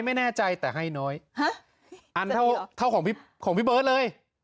ไม่แน่ใจแต่ให้น้อยฮะอันเท่าเท่าของพี่ของพี่เบิร์ตเลย